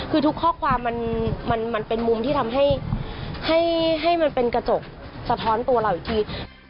คือทุกข้อความมันเป็นมุมที่ทำให้มันเป็นกระจกสะท้อนตัวเราอีกที